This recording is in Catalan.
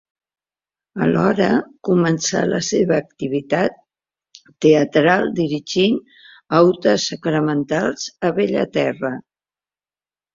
Alhora, començà la seva activitat teatral dirigint autes sacramentals a Bellaterra.